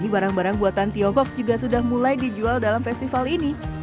barang barang buatan tiongkok juga sudah mulai dijual dalam festival ini